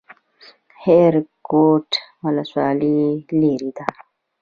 خیرکوټ ولسوالۍ لیرې ده؟